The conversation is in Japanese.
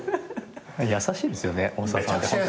優しいですよね大沢さんって。